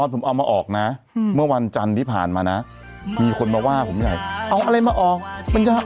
นี่แต่งตัวภายใน๕นาทีแล้วนะ